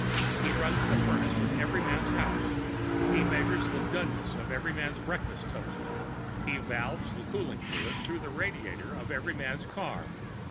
He runs the furnace in Everyman's house, he measures the doneness of Everyman's breakfast toast, he valves the cooling fluid through the radiator of Everyman's car.